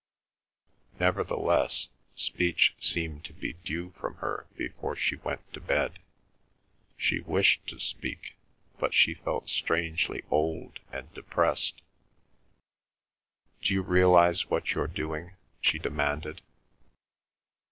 Nevertheless, speech seemed to be due from her before she went to bed. She wished to speak, but she felt strangely old and depressed. "D'you realise what you're doing?" she demanded.